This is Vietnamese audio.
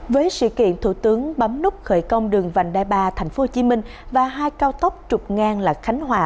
với sự kiện thủ tướng bấm nút khởi công đường vành đai ba tp hcm và hai cao tốc trục ngang là khánh hòa